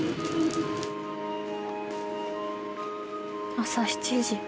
朝７時。